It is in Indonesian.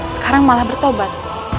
sekarang malah bertobat